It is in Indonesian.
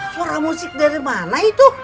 suara musik dari mana itu